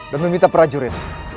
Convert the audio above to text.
dan meminta prajurit